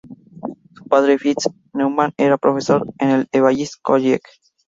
Su padre, Fritz C. Neumann, era profesor en el Evansville College.